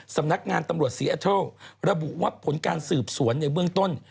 สำนักงานตำรวจซีเอเทิลระบุว่าผลการสืบสวนในเบื้องต้น